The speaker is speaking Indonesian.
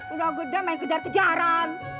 udah gede main kejar kejaran